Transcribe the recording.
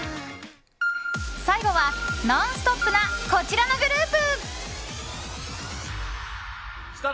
最後は、ノンストップなこちらのグループ。